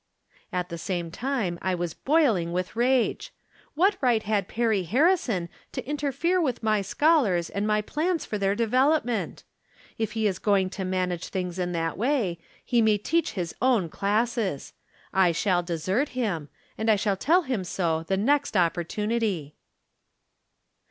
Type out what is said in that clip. At the same time I was boiling with rage. What right had Perry Harrison to interfere with my scholars and my plans for their development ? If he is going to manage things in that way he From Different Standpoints. 171 may teacli his own classes. I shall desert him, and I shall tell him so the first opportunity.